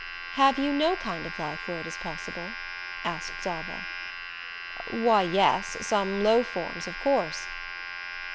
"Have you no kind of life where it is possible?" asked Zava. "Why, yes some low forms, of course."